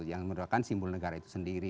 yang merupakan simbol negara itu sendiri